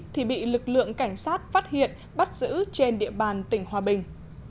từ lượng cảnh sát phát hiện bắt giữ trên địa bàn tỉnh hòa bình